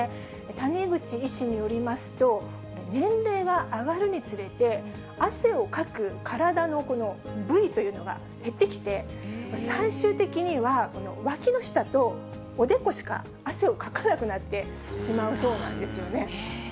谷口医師によりますと、年齢が上がるにつれて、汗をかく体の部位というのが減ってきて、最終的には、わきの下とおでこしか汗をかかなくなってしまうそうなんですね。